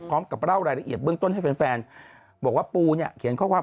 พร้อมกับเล่ารายละเอียดเบื้องต้นให้แฟนแฟนบอกว่าปูเนี่ยเขียนข้อความ